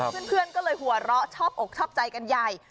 เพื่อนก็เลยหัวเราะชอบอกชอบใจกันใหญ่